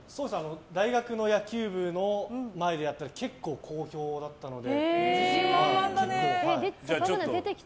大学の野球部の前でやったら結構好評だったので。